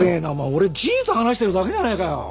俺事実を話してるだけじゃねえかよ。